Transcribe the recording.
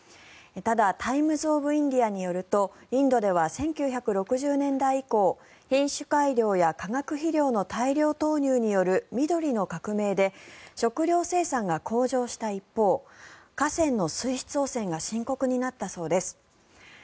ただ、タイムズ・オブ・インディアによるとインドでは１９６０年代以降品種改良や化学肥料の大量投入による緑の革命で食料生産が向上した一方河川の水質汚染が深刻になったそうです。